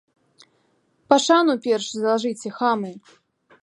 Пашану перш злажыце, хамы!